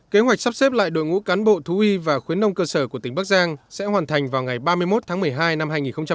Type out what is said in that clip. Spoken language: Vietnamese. kế hoạch sắp xếp lại đội ngũ cán bộ thú y và khuyến nông cơ sở của tỉnh bắc giang sẽ hoàn thành vào ngày ba mươi một tháng một mươi hai năm hai nghìn hai mươi